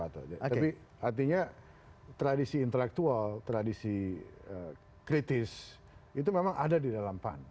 tapi artinya tradisi intelektual tradisi kritis itu memang ada di dalam pan